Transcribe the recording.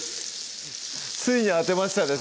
ついに当てましたね